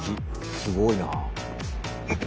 すごいな。